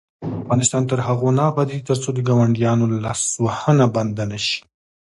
افغانستان تر هغو نه ابادیږي، ترڅو د ګاونډیانو لاسوهنه بنده نشي.